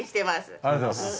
ありがとうございます！